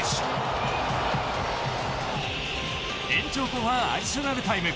延長後半アディショナルタイム。